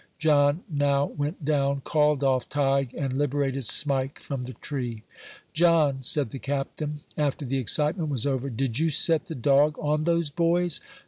John now went down, called off Tige, and liberated Smike from the tree. "John," said the captain, after the excitement was over, "did you set the dog on those boys?"